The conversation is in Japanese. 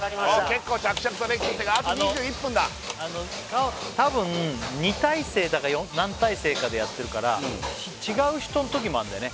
結構着々と出来てきたけどあと２１分だたぶん２体制だか何体制かでやってるから違う人のときもあるんだよね